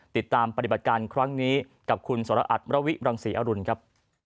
ติดตามปฏิบัติการครั้งนี้กับคุณสรอัตมรวิบรังศรีอรุณครับ